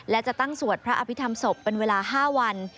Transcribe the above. และจะตั้งสวดพระอภิษฐรรมศพเป็นเวลา๕วัน